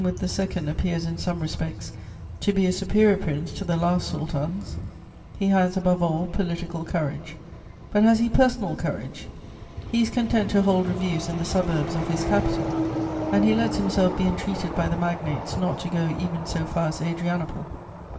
appears, in some respects, to be a superior prince to the last sultans; he has, above all, political courage; but has he personal courage? He is content to hold reviews in the suburbs of his capital, and he lets himself be entreated by the magnates not to go even so far as Adrianople.